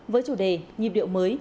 với chủ đề nhịp điệu mới